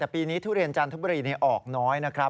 แต่ปีนี้ทุเรียนจันทบุรีออกน้อยนะครับ